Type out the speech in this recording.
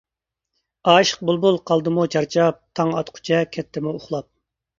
ئاشىق بۇلبۇل قالدىمۇ چارچاپ، تاڭ ئاتقۇچە كەتتىمۇ ئۇخلاپ.